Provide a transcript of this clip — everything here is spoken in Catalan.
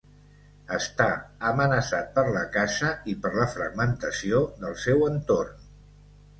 Està amenaçat per la caça i per la fragmentació del seu entorn.